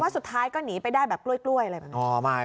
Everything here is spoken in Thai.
สุดท้ายก็หนีไปได้แบบกล้วยอะไรแบบนี้